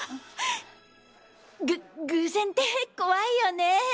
ぐ偶然ってコワイよね。